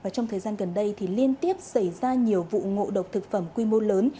trong thời gian gần đây liên tiếp xảy ra nhiều vụ ngộ độc thực phẩm quy mô lớn